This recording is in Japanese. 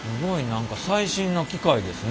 何か最新な機械ですね。